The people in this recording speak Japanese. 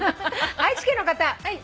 愛知県の方。